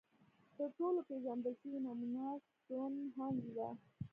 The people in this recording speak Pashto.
تر ټولو پېژندل شوې نمونه ستونهنج ده.